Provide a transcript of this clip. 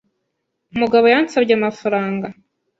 Umugabo yansabye amafaranga.